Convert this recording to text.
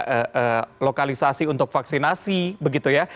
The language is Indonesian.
ada lokalisasi untuk vaksinasi begitu ya